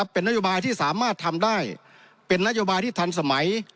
เป็นนโยบายที่สามารถทำได้เป็นนโยบายที่ทันสมัย